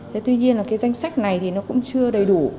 thế tuy nhiên là cái danh sách này thì nó cũng chưa đầy đủ